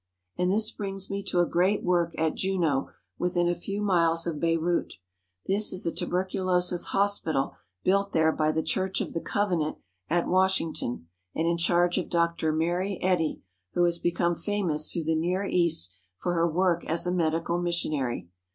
And this brings me to a great work at Juneau within a few miles of Beirut. This is a tuberculosis hospital built there by the Church of the Covenant at Washington, and in charge of Dr. Mary Eddy, who has become famous throughout the Near East for her work as a medical missionary.